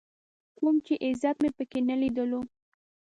کوم چې عزت مې په کې نه ليدلو.